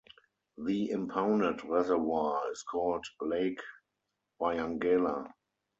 The impounded reservoir is called Lake Wyangala.